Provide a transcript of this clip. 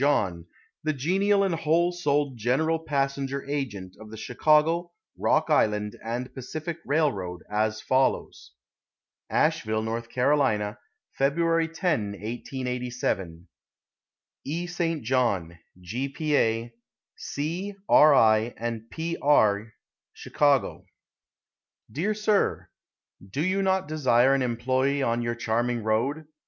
John, the genial and whole souled general passenger agent of the Chicago, Rock Island & Pacific Railroad, as follows: ASHEVILLE, N. C., Feb. 10, 1887. E. St. John, G. P. A., C., R. I. & P. R'y, Chicago. Dear Sir: Do you not desire an employe on your charming road?